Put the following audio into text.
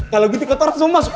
kalau gitu ketor terus mau masuk